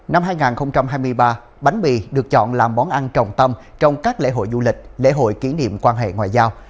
năm hai nghìn hai mươi ba bánh mì được chọn làm món ăn trọng tâm trong các lễ hội du lịch lễ hội kỷ niệm quan hệ ngoại giao